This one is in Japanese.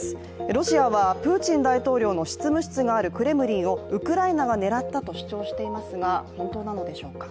ロシアはプーチン大統領の執務室があるクレムリンをウクライナが狙ったと主張していますが本当なのでしょうか。